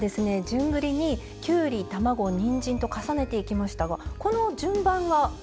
順繰りにきゅうり卵にんじんと重ねていきましたがこの順番は何かあるんですか？